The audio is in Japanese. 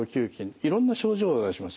いろんな症状を出します。